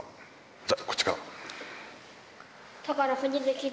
じゃあ、こっちから。